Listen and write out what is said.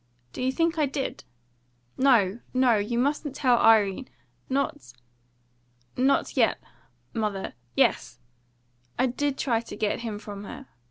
Do you think I did? No, no! You mustn't tell Irene! Not not yet! Mother! Yes! I did try to get him from her!"